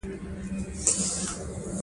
موسیقي د خلکو ترمنځ یووالی راولي.